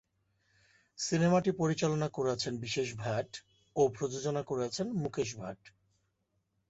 সিনেমাটি পরিচালনা করেছেন বিশেষ ভাট ও প্রযোজনা করেছেন মুকেশ ভাট।